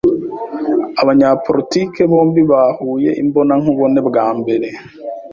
Abanyapolitike bombi bahuye imbonankubone bwa mbere.